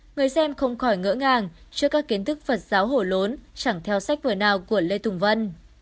người xem không khỏi ngỡ ngàng trước các kiến thức phật giáo hổ lốn chẳng theo sách vở nào của lê tùng vân